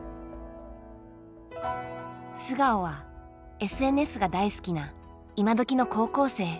素顔はＳＮＳが大好きな今どきの高校生。